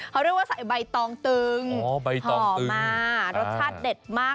เขาเรียกว่าใส่ใบตองตึงอ๋อใบตองตึงหอมมากรสชาติเด็ดมาก